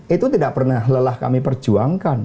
itu tidak pernah lelah kami perjuangkan